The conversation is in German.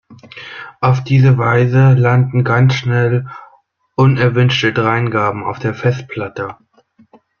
Auf diese Weise landen ganz schnell unerwünschte Dreingaben auf der Festplatte.